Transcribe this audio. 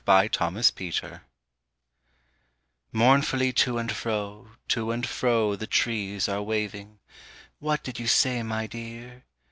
A PASSING BELL MOURNFULLY to and fro, to and fro the trees are waving; _What did you say, my dear?